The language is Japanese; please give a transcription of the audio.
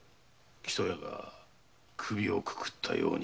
木曽屋が首をくくったようにな。